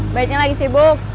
ubednya lagi sibuk